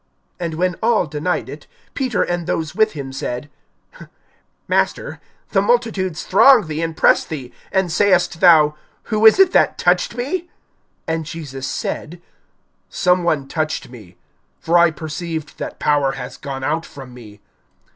And when all denied it, Peter and those with him said: Master, the multitudes throng thee and press thee, and sayest thou: Who is it that touched me? (46)And Jesus said: Some one touched me; for I perceived that power has gone out from me.